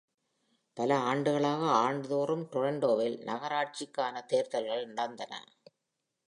பல ஆண்டுகளாக, ஆண்டுதோறும் டொராண்டோவில் நகராட்சிக்கான தேர்தல்கள் நடந்தன.